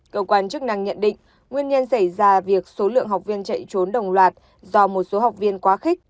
cơ quan chức năng nhận định nguyên nhân xảy ra việc số lượng học viên chạy trốn đồng loạt do một số học viên quá khích